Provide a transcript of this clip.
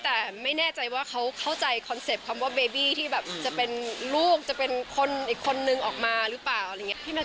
แต่ไม่แน่ใจว่าเขาเข้าใจคอนเซ็ปต์คำว่าเบบี้ที่แบบจะเป็นลูกจะเป็นคนอีกคนนึงออกมาหรือเปล่าอะไรอย่างนี้